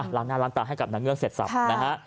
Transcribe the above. อ่าร้างน้าร้างตากให้กับนังเงื้อเสร็จสับค่ะนะฮะ